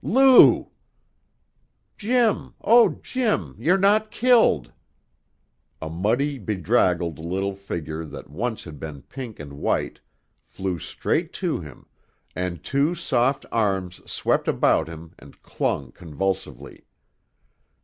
"Lou!" "Jim! Oh, Jim! You're not killed!" A muddy, bedraggled little figure that once had been pink and white flew straight to him, and two soft arms swept about him and clung convulsively.